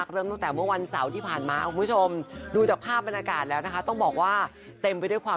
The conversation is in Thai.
จะพาคุณผู้ชมเนี้ยตาม